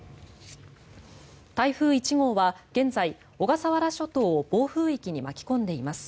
台風１号は現在、小笠原諸島を暴風域に巻き込んでいます。